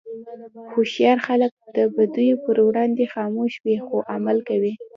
هوښیار خلک د بدیو پر وړاندې خاموش وي، خو عمل کوي.